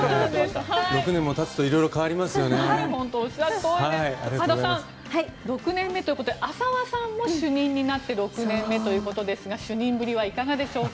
６年もたつと羽田さん６年目ということで浅輪さんも主任になって６年目ということですが主任ぶりはいかがでしょうか。